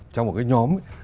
trong một cái nhóm ấy